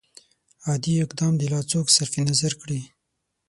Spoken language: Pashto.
عادي اقدام دې لا څوک صرف نظر کړي.